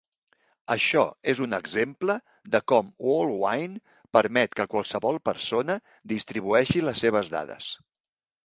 Això és un exemple de com World Wind permet que qualsevol persona distribueixi les seves dades.